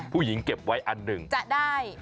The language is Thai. ผู้หญิงเก็บไว้อันหนึ่งจะได้